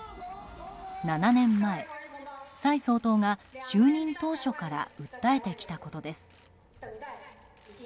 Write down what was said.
７年前、蔡総統が就任当初から訴えてきたことです。